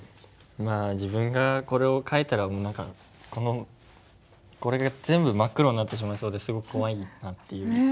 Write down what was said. まあ自分がこれを書いたらこれが全部真っ黒になってしまいそうですごく怖いなっていう。ね。